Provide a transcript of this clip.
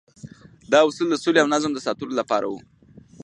دا اصول د سولې او نظم د ساتلو لپاره وو.